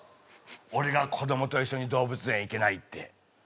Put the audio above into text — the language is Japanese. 俺が子供と一緒に動物園行けないって。